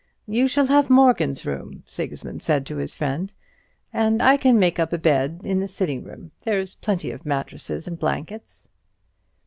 "You shall have Morgan's room," Sigismund said to his friend, "and I can make up a bed in the sitting room; there's plenty of mattresses and blankets."